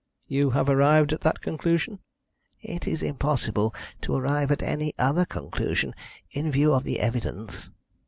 "You have arrived at that conclusion?" "It is impossible to arrive at any other conclusion, in view of the evidence."